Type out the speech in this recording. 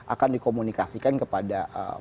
akan dikomunikasikan kepada